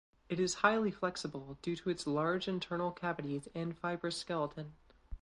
It is highly flexible due to its large internal cavities and fibrous skeleton.